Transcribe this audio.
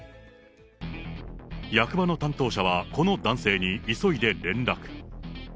役場の担当者は、この男性に急いで連絡。